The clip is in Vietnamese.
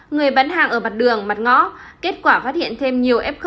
người bán hàng ở mặt đường mặt ngõ kết quả phát hiện thêm nhiều f